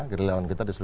kalau ada yang